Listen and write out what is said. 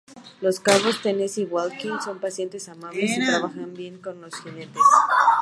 Los caballos Tennessee Walking son pacientes, amables, y trabajan bien con los jinetes.